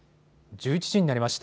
１１時になりました。